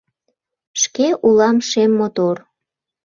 Шке улам шем мотор.